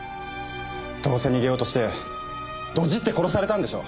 どうせ逃げようとしてドジって殺されたんでしょ？